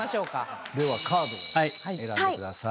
ではカードを選んでください。